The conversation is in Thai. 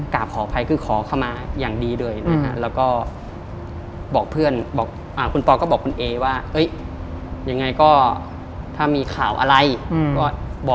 กราบขอภัยคือขอขมาอย่างดีด้วยนะครับ